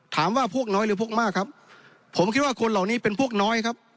พวกน้อยหรือพวกมากครับผมคิดว่าคนเหล่านี้เป็นพวกน้อยครับ